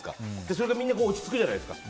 それが落ち着くじゃないですか。